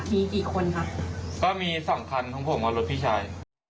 มีกี่คนครับก็มีส่วนสำคัญของผมว่ารถพี่ชัย